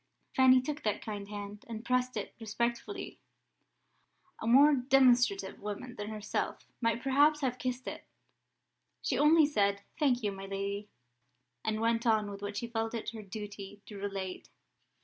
Fanny took that kind hand, and pressed it respectfully a more demonstrative woman than herself might perhaps have kissed it. She only said, "Thank you, my lady," and went on with what she felt it her duty to relate.